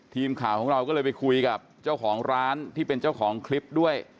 ทีมข่าวของเราก็เลยไปคุยกับเจ้าของร้านที่เป็นเจ้าของคลิปด้วย